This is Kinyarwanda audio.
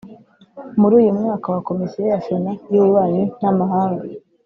Muri uyu mwaka wa Komisiyo ya Sena y Ububanyi n Amahanga